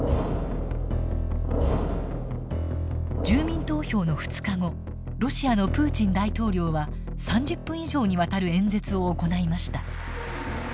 住民投票の２日後ロシアのプーチン大統領は３０分以上にわたる演説を行いました。